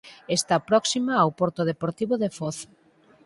Está próxima ao Porto Deportivo de Foz.